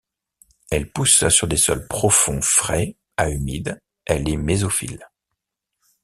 Elle pousse sur des sols profonds frais à humides, elle est mésophile.